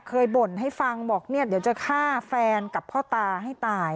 บ่นให้ฟังบอกเนี่ยเดี๋ยวจะฆ่าแฟนกับพ่อตาให้ตาย